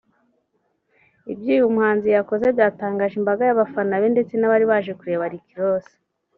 Ibyo uyu muhanzi yakoze byatangaje imbaga y’abafana be ndetse n’abari baje kureba Rick Ross